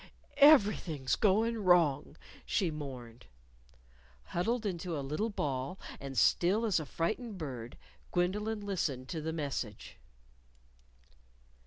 "Everything's goin' wrong," she mourned. Huddled into a little ball, and still as a frightened bird, Gwendolyn listened to the message.